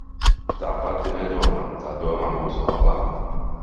Tā pati nedomā, tā domā mūsu labā.